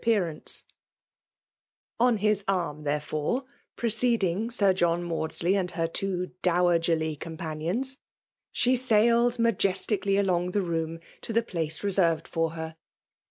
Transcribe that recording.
appeatancc« On bis arm, thevefiire,' pni«» ceding Sir John Maudsley and her 4iib dowagcrly companions, she sailed majesticssi^ along rthe room to the place reserved, fori her.